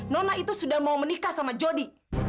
nona itu sudah mau menikah sama jody